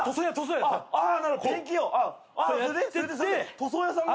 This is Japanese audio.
塗装屋さんが？